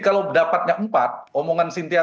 kalau dapatnya empat omongan sintia